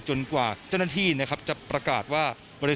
จนกว่าเจ้าหน้าที่จะประกาศว่า